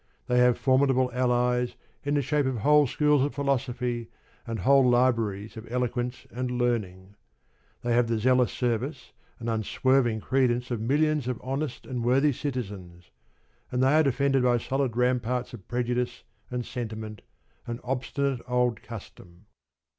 They have formidable allies in the shape of whole schools of philosophy and whole libraries of eloquence and learning. They have the zealous service and unswerving credence of millions of honest and worthy citizens: and they are defended by solid ramparts of prejudice, and sentiment, and obstinate old custom.